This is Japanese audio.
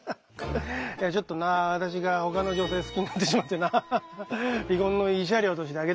いやちょっとな私がほかの女性好きになってしまってな離婚の慰謝料としてあげてしまった。